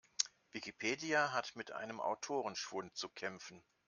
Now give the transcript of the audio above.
Wikipedia hat mit einem Autorenschwund zu kämpfen.